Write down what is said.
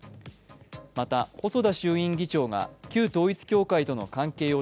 また、細田衆院議長が旧統一教会との関係を